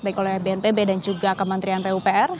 baik oleh bnpb dan juga kementerian pupr